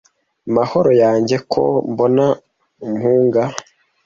Mahoro yanjye ko mbona umpunga